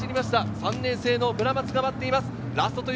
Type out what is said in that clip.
３年生・村松が待っています。